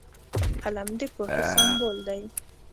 قلم د پوهې سمبول دی